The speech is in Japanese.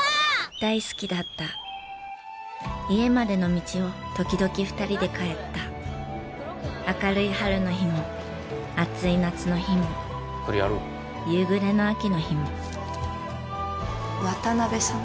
大好きだった家までの道を時々２人で帰った明るい春の日も暑い夏の日も夕暮れの秋の日も渡辺さん？